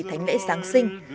thánh lễ giáng sinh